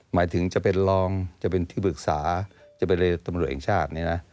หมายถึงจะเป็นรองจะเป็นที่ปรึกษาจะเป็นตำรวจแห่งชาติเนี่ยนะ